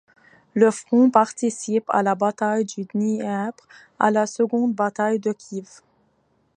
Le front participe à la bataille du Dniepr, à la seconde bataille de Kiev.